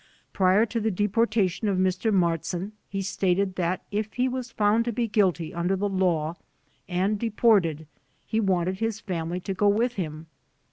Prior to the deportation of Mr. Martzin he stated that if he was found to be guilty under the law and deported he wanted his family to go with him.